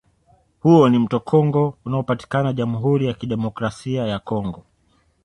Huo ni mto Congo unaopatikana Jamhuri ya Kidemokrasia ya Congo